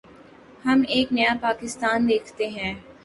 ہم ایک نیا پاکستان دیکھتے ہیں۔